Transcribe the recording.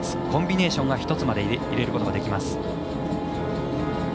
コンビネーションが１つまで入れることができます。